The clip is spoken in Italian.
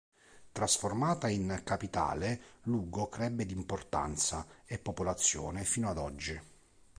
Trasformata in capitale Lugo crebbe di importanza e popolazione fino ad oggi.